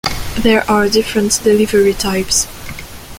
There are different delivery types.